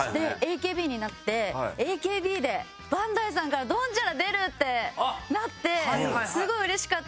でＡＫＢになってＡＫＢでバンダイさんから『ドンジャラ』出るってなってすごいうれしかったのに。